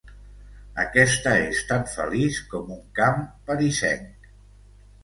Aquesta és tan feliç com un camp parisenc.